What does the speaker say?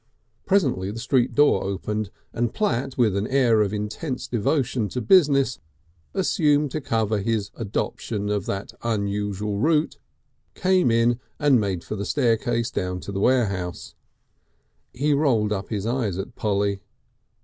Presently the street door opened and Platt, with an air of intense devotion to business assumed to cover his adoption of that unusual route, came in and made for the staircase down to the warehouse. He rolled up his eyes at Polly.